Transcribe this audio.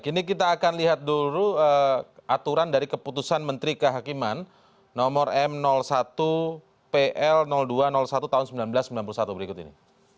kini kita akan lihat dulu aturan dari keputusan menteri kehakiman nomor m satu pl dua ratus satu tahun seribu sembilan ratus sembilan puluh satu berikut ini